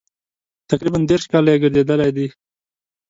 تقریبا دېرش کاله یې ګرځېدلي دي.